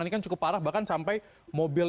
ini kan cukup parah bahkan sampai mobil